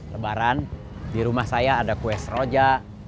lebaran di rumah saya ada kue seroja